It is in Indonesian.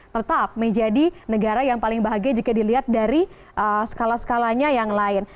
tetap menjadi negara yang paling bahagia jika dilihat dari skala skalanya yang lain